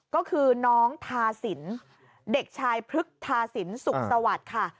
ก็คือน้องทาสินเด็กชายพฤกษาสินสุขสวัสดิ์ค่ะ